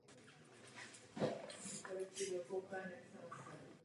Vítám práci, kterou odvádí Evropská agentura pro námořní bezpečnost.